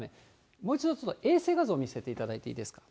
もう一度、ちょっと衛星画像見せていただいていいですか。